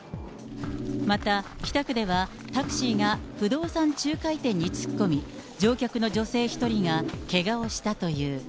また北区では、タクシーが不動産仲介店に突っ込み、乗客の女性１人がけがをしたという。